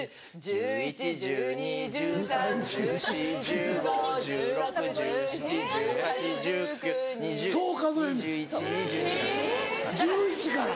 １１・１２・１３・１４・１５・１６・１７・１８・１９・２０そう数えんねんて１１から。